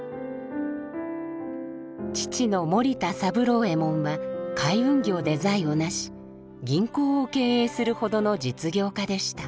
父の森田三郎右衛門は海運業で財を成し銀行を経営するほどの実業家でした。